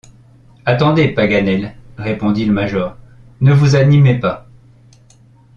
Attendez, Paganel, répondit le major, ne vous animez pas.